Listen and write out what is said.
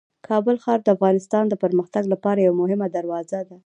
کابل ښار د افغانستان د پرمختګ لپاره یوه مهمه دروازه ده.